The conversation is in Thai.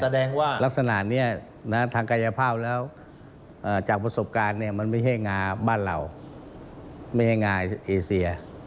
แสดงว่ารักษณะนี้ทางกายภาพแล้วจากประสบการณ์เนี่ยมันไม่ใช่งาบ้านเราไม่ใช่งาเอเซีย